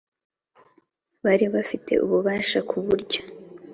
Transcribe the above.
Bari bafite ububasha ku buryo